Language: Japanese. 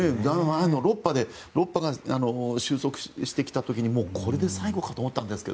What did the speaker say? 第６波が収束してきた時にこれで最後かと思ったんですが。